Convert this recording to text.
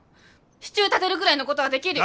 支柱立てるぐらいのごどはできるよ！